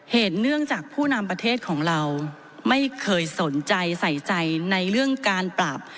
เนื่องจากผู้นำประเทศของเราไม่เคยสนใจใส่ใจในเรื่องการปราบ